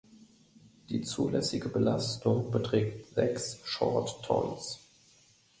Die zulässige Belastung beträgt sechs Short Tons.